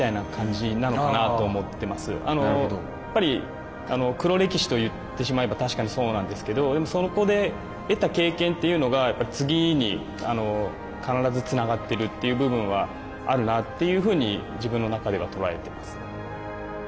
やっぱり黒歴史と言ってしまえば確かにそうなんですけどそこで得た経験っていうのが次に必ずつながってるっていう部分はあるなっていうふうに自分の中では捉えてますね。